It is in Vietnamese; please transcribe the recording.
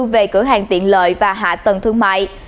về cửa hàng tiện lợi và hạ tầng thương mại